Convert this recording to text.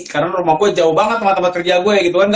karena rumah gue jauh banget tempat tempat kerja gue gitu kan